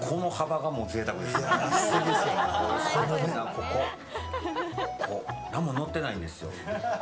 ここ何ものってないんですよ。